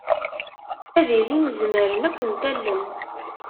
Ad ilin zemren ad kent-allen.